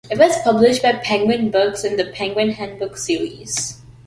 It was published by Penguin Books in the Penguin Handbooks series.